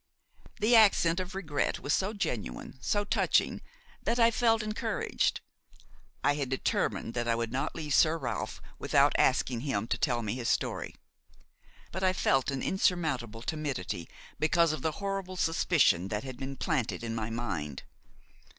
The accent of regret was so genuine, so touching, that I felt encouraged. I had determined that I would not leave Sir Ralph without asking him to tell me his story; but I felt an insurmountable timidity because of the horrible suspicion that had been planted in my mind.